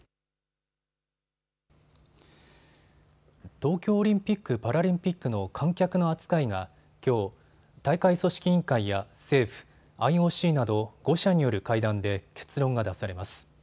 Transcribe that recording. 東京オリンピック・パラリンピックの観客の扱いがきょう、大会組織委員会や政府、ＩＯＣなど５者による会談で結論が出されます。